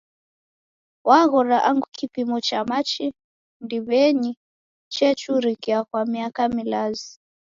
Waghora angu kipimo cha machi ndiw'enyi chechurikia kwa miaka milazi